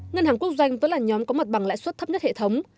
ngân hàng quốc doanh vẫn là nhóm có mặt bằng lãi suất thấp nhất hệ thống